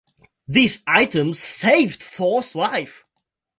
These items saved Thor's life.